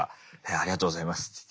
「ありがとうございます」。